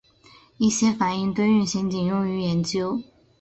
一些反应堆运行仅用于研究。